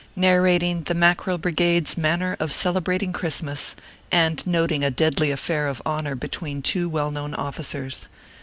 NARRATING THE MACKEREL BRIGADE S MANNER OF CELEBRATING CHRISTMAS, AND NOTING A DEADLY AFFAIR OF HONOR BETWEEN TWO WELL KNOWN OFFICERS.